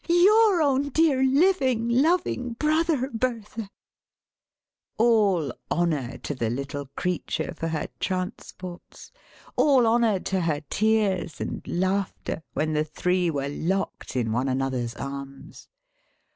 Your own dear living, loving brother, Bertha!" All honor to the little creature for her transports! All honor to her tears and laughter, when the three were locked in one another's arms!